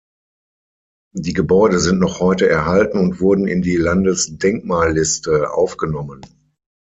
Die Gebäude sind noch heute erhalten und wurden in die Landesdenkmalliste aufgenommen.